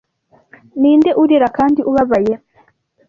ni nde urira kandi ubabaye